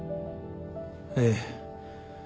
ええ。